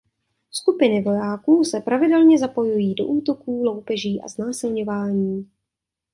Skupiny vojáků se pravidelně zapojují do útoků, loupeží a znásilňování.